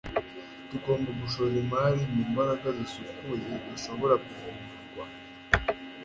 tugomba gushora imari mu mbaraga zisukuye, zishobora kuvugururwa